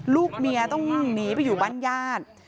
ลูกเมียต้องหนีไปอยู่บ้านญาติ